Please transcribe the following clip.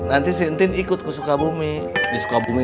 nanti si entin ikut ke sukabumi